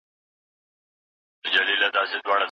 د پښتو ژبي په کلاسیک ادب کي یې